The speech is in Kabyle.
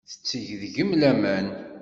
Tetteg deg-m laman.